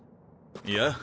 いや。